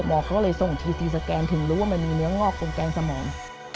เขาก็เลยส่งทีตีสแกนถึงรู้ว่ามันมีเนื้องอกตรงแกงสมอง